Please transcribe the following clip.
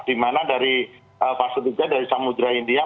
di mana dari fase tiga dari samudera india